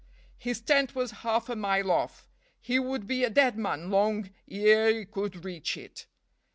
His tent was half a mile off; he would be a dead man long ere he could reach it.